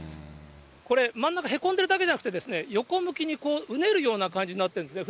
これ真ん中、へこんでるだけじゃなくて、横向きにうねるような感じになってるんですね。